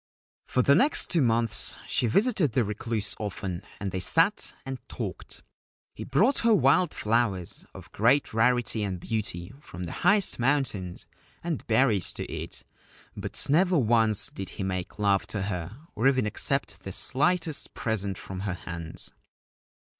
For the next two months she visited the Recluse often, and they sat and talked. He brought her wild flowers of great rarity and beauty from the highest mountains, and berries to eat ; but never once did he make love to her or even accept the slightest present from her hands.